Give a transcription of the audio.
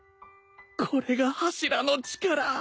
これが柱の力